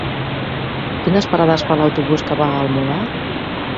Quines parades fa l'autobús que va al Molar?